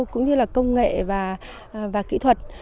cũng như là công nghệ và kỹ thuật